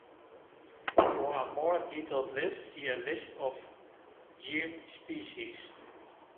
For a more detailed list see List of "Geum" species.